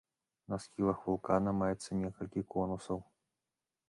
На схілах вулкана маецца некалькі конусаў.